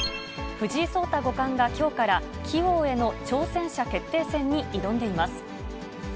藤井聡太五冠がきょうから棋王への挑戦者決定戦に挑んでいます。